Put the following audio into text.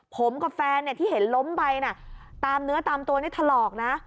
ผมกับแฟนเนี่ยที่เห็นล้มไปนะตามเนื้อตามตัวนี่ถลอกนะ